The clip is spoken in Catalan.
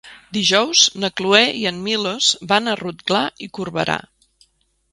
Dijous na Cloè i en Milos van a Rotglà i Corberà.